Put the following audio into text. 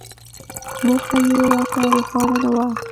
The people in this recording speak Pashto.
موخه یې راته روښانه نه وه.